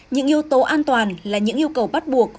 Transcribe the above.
những yếu tố an toàn là những yêu cầu bắt buộc